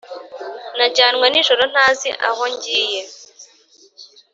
najyanywe nijoro ntazi aho ngiye